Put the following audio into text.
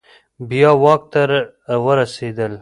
بیا واک ته ورسیدل